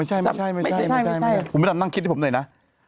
ไม่ใช่วิเครมนั่งคิดให้ผมหน่อยนะ